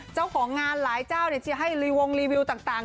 เจ้าของงานหลายเจ้าจะให้รีวงรีวิวต่าง